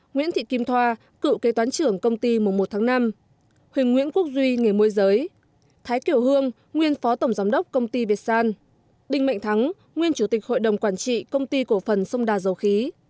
nguyễn thị kim thoa cựu kế toán trưởng công ty mùa một tháng năm huỳnh nguyễn quốc duy nghề môi giới thái kiểu hương nguyên phó tổng giám đốc công ty việt san đinh mạnh thắng nguyên chủ tịch hội đồng quản trị công ty cổ phần sông đà dầu khí